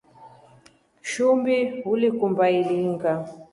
Shumbi ulikumba ilinga ?